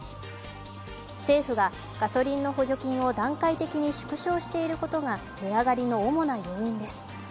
政府がガソリンの補助金を段階的に縮小していることが値上がりの主な要因です。